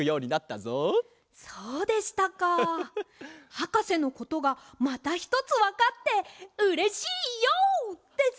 はかせのことがまたひとつわかってうれしいＹＯです！